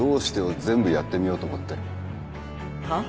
はっ？